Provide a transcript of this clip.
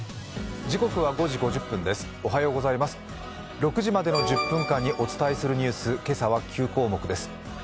６時までの１０分間にお伝えするニュース、今朝は９項目です。